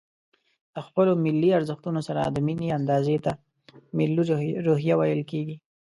د خپلو ملي ارزښتونو سره د ميني اندازې ته ملي روحيه ويل کېږي.